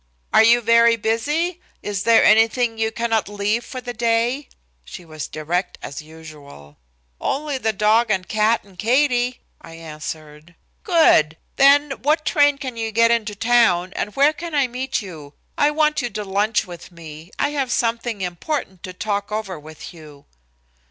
"Are you very busy? Is there anything you cannot leave for the day?" She was direct as usual. "Only the dog and cat and Katie," I answered. "Good. Then what train can you get into town, and where can I meet you? I want you to lunch with me. I have something important to talk over with you."